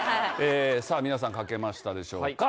さあ皆さん書けましたでしょうか？